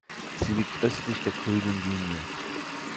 Sie liegt östlich der Grünen Linie.